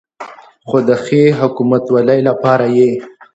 خو د ښې حکومتولې لپاره یې